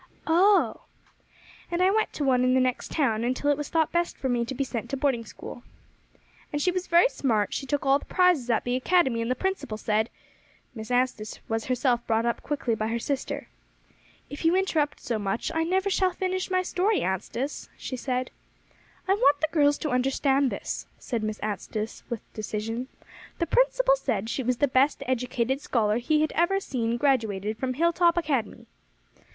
"Oh!" "And I went to one in the next town until it was thought best for me to be sent to boarding school." "And she was very smart; she took all the prizes at the academy, and the principal said " Miss Anstice was herself brought up quickly by her sister. "If you interrupt so much, I never shall finish my story, Anstice," she said. "I want the girls to understand this," said Miss Anstice with decision. "The principal said she was the best educated scholar he had ever seen graduated from Hilltop Academy."